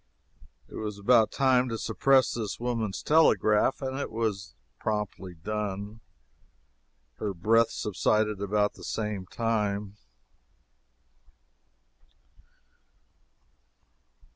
It was about time to suppress this woman's telegraph, and it was promptly done. Her breath subsided about the same time.